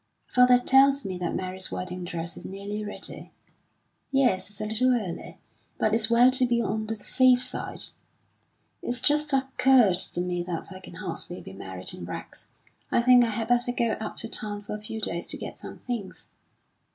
"Father tells me that Mary's wedding dress is nearly ready." "Yes; it's a little early. But it's well to be on the safe side." "It's just occurred to me that I can hardly be married in rags. I think I had better go up to town for a few days to get some things."